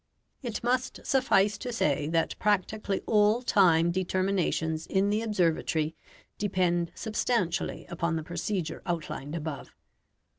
It must suffice to say that practically all time determinations in the observatory depend substantially upon the procedure outlined above.